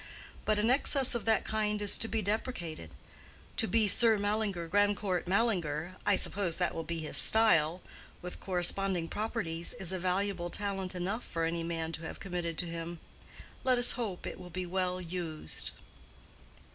But an excess of that kind is to be deprecated. To be Sir Mallinger Grandcourt Mallinger—I suppose that will be his style—with corresponding properties, is a valuable talent enough for any man to have committed to him. Let us hope it will be well used."